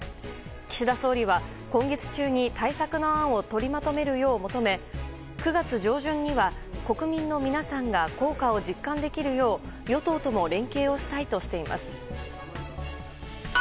岸田総理は今月中に対策の案を取りまとめるよう求め９月上旬には国民の皆さんが効果を実感できるよう与党とも連携をしたいとしています。